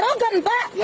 saya dengan apa adanya